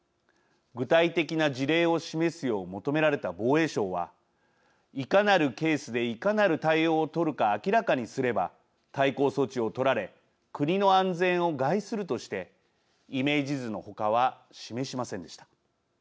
具体的な事例を示すよう求められた防衛省はいかなるケースでいかなる対応を取るか明らかにすれば対抗措置を取られ国の安全を害するとしてイメージ図の他は示しませんでした。